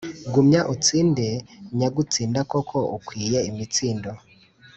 gumya utsinde nyagutsinda koko ukwiye imitsindo,